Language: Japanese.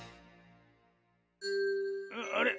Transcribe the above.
あれ？